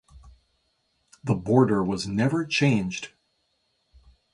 The border was never changed.